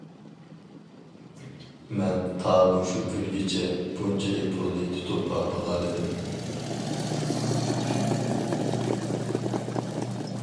مەن تا مۇشۇ كۈنگىچە بۇنچىلىك پۇلنى تۇتۇپ باقمىغانىدىم.